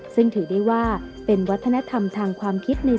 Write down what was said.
ซึ่งถือได้ว่าเป็นวัฒนธรรมทางความคิดใน